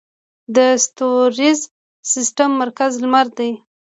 د ستوریز سیستم مرکز لمر دی